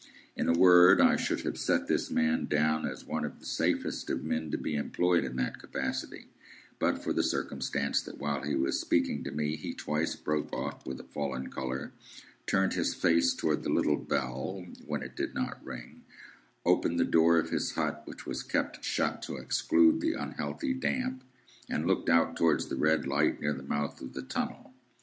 In a word, I should have set this man down as one of the safest of men to be employed in that capacity, but for the circumstance that while he was speaking to me he twice broke off with a fallen colour, turned his face towards the little bell when it did NOT ring, opened the door of the hut (which was kept shut to exclude the unhealthy damp), and looked out towards the red light near the mouth of the tunnel.